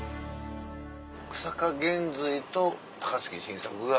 久坂玄瑞と高杉晋作が。